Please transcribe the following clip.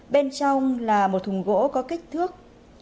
bên trong là một thùng gỗ có kích thước